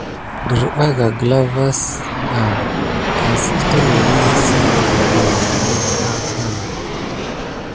Derbaga gla vas ɓa aks itémeni epəŋle si de mok akakay.